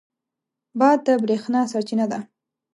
باد د برېښنا سرچینه ده.